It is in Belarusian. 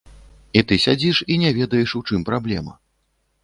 І ты сядзіш і не ведаеш, у чым праблема.